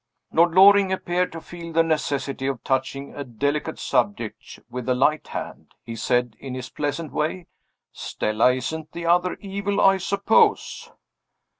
Lord Loring appeared to feel the necessity of touching a delicate subject with a light hand. He said, in his pleasant way: "Stella isn't the other evil, I suppose?"